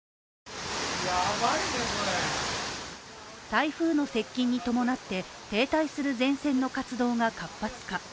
台風の接近に伴って停滞する前線の活動が活発化。